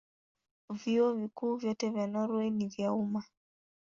Vyuo Vikuu vyote vya Norwei ni vya umma.